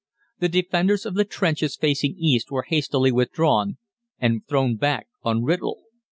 The defenders of the trenches facing east were hastily withdrawn, and thrown back on Writtle.